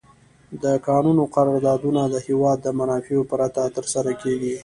د کانونو قراردادونه د هېواد د منافعو پرته تر سره کیږي.